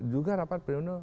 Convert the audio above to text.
juga rapat perino